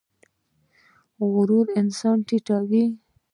غرور انسان ټیټوي